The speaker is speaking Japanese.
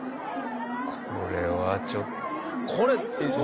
これはちょっと。